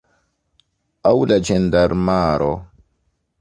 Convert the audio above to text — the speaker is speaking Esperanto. Aŭ la ĝendarmaro.